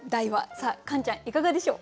さあカンちゃんいかがでしょう？